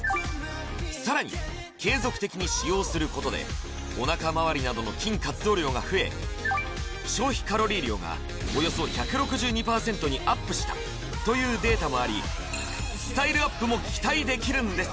さらに継続的に使用することでおなかまわりなどの筋活動量が増え消費カロリー量がおよそ１６２％にアップしたというデータもありすごっ！